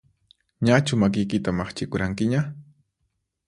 Ñachu makiykita maqchikuranqiña?